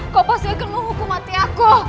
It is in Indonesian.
kok pasti akan menghukum mati aku